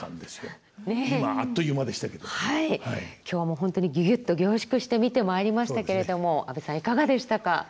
今日も本当にギュギュっと凝縮して見てまいりましたけれども安部さんいかがでしたか？